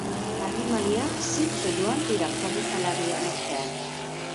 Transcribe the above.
Animaliak zintzo joan dira korrikalarien artean.